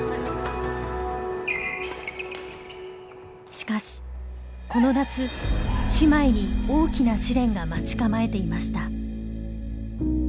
しかしこの夏姉妹に大きな試練が待ち構えていました。